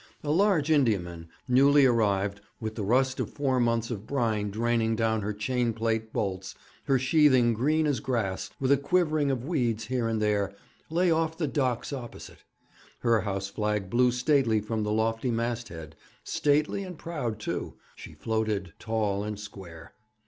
A large Indiaman, newly arrived, with the rust of four months of brine draining down her chain plate bolts, her sheathing green as grass, with a quivering of weeds here and there, lay off the Docks opposite. Her house flag blew stately from the lofty masthead; stately and proud, too, she floated, tall and square.